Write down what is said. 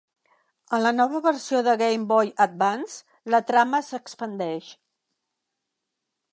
En la nova versió de Game Boy Advance la trama s'expandeix.